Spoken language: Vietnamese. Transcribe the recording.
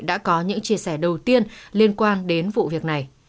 đã có những chia sẻ đầu tiên liên quan đến vụ việc này